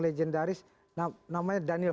legendaris namanya daniel